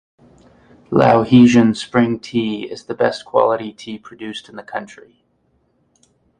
"Lahijan Spring Tea" is the best quality tea produced in the country.